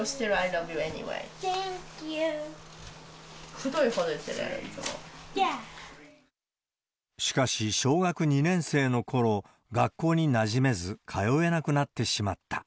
くどいほど言ってるやろ、しかし、小学２年生のころ、学校になじめず、通えなくなってしまった。